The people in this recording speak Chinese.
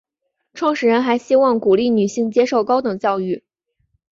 创始人还希望鼓励女性接受高等教育。